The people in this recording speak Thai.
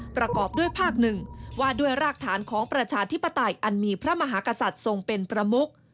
ประกอบด้วยภาคหนึ่งว่าด้วยรากฐานของประชาธิปไตยอันมีพระมหากษัตริย์ทรงเป็นประมุก